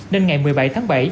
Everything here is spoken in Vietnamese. nên ngày một mươi bảy tháng bảy